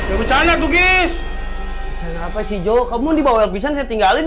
oles kalau bijak tinggalin